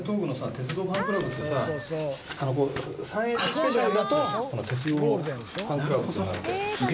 鉄道ファンクラブっつってさ３Ｈスペシャルだと鉄道ファンクラブっていうのがあるんだよ。